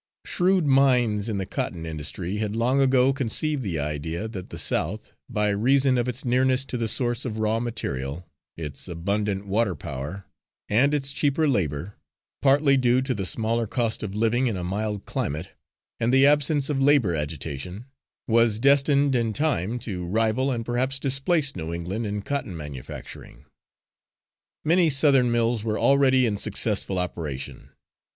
Shrewd minds in the cotton industry had long ago conceived the idea that the South, by reason of its nearness to the source of raw material, its abundant water power, and its cheaper labour, partly due to the smaller cost of living in a mild climate, and the absence of labour agitation, was destined in time to rival and perhaps displace New England in cotton manufacturing. Many Southern mills were already in successful operation.